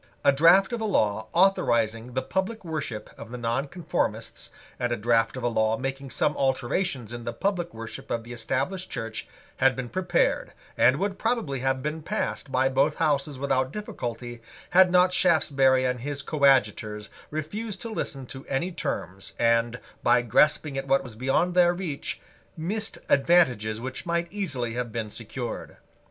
A draught of a law authorising the public worship of the nonconformists, and a draught of a law making some alterations in the public worship of the Established Church, had been prepared, and would probably have been passed by both Houses without difficulty, had not Shaftesbury and his coadjutors refused to listen to any terms, and, by grasping at what was beyond their reach, missed advantages which might easily have been secured.